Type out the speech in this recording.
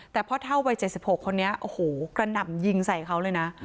แต่พ่อเท่าวัย๗๖คนนี้โอ้โหกระหน่ำยิงใส่เขาเลยนะ